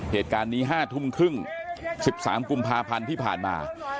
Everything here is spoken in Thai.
เหตุการณ์นี้๕ทุ่มครึ่ง๑๓กุมภาพันธ์ที่ผ่านมา